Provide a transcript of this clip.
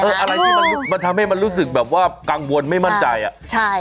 อะไรที่มันมันทำให้มันรู้สึกแบบว่ากังวลไม่มั่นใจอ่ะใช่